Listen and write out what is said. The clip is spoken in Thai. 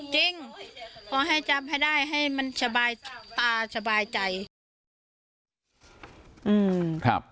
จริงขอให้จำให้ได้ให้มันสบายตาสบายใจ